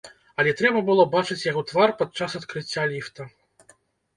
Але трэба было бачыць яго твар падчас адкрыцця ліфта!